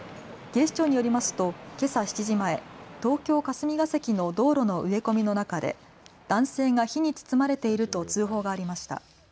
警視庁によりますとけさ７時前、東京霞が関の道路の植え込みの中で男性が火に包まれていると通報がありました。